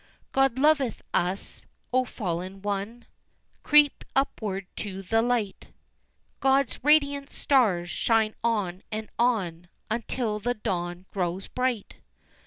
God loveth us! O fallen one Creep upward to the light, God's radiant stars shine on and on, Until the dawn grows bright.